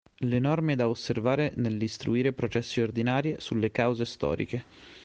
Le Norme da osservare nell'istruire processi ordinari sulle cause storiche.